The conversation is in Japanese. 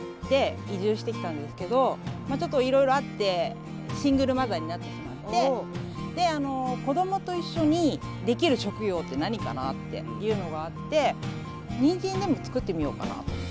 移住してきたんですけどちょっといろいろあってシングルマザーになってしまって子どもと一緒にできる職業って何かなっていうのがあってにんじんでも作ってみようかなと。